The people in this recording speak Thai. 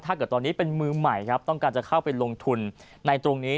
ถ้าเกิดตอนนี้เป็นมือใหม่ครับต้องการจะเข้าไปลงทุนในตรงนี้